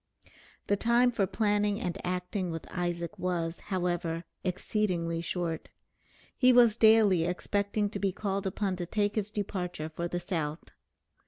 The time for planning and acting with Isaac was, however, exceedingly short. He was daily expecting to be called upon to take his departure for the South.